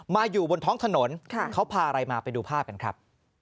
อยู่บนท้องถนนเขาพาอะไรมาไปดูภาพกันครับ